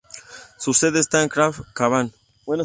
Su sede está en Kafr-Khabat.